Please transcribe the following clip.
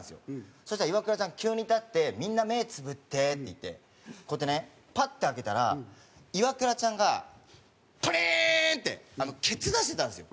そしたらイワクラちゃん急に立って「みんな目つぶって」って言ってこうやってねパッて開けたらイワクラちゃんがプリンッてケツ出してたんですよ。